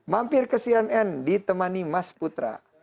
mampir ke cnn ditemani mas putra